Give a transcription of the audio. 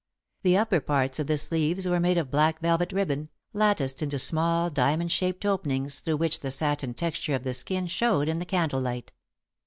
The upper parts of the sleeves were made of black velvet ribbon, latticed into small diamond shaped openings through which the satin texture of the skin showed in the candlelight.